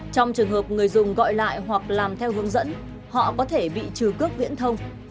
trong trường hợp người dùng gọi lại hoặc làm theo hướng dẫn họ có thể bị trừ cước viễn thông